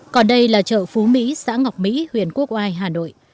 còn đây là chợ phú mỹ xã ngọc mỹ huyền quốc ai hà nội